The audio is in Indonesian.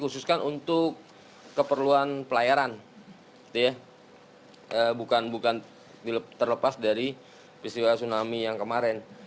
bukan terlepas dari visi tsunami yang kemarin